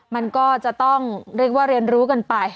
มันก็จะต้องเรียกว่าเรียนรู้กันไป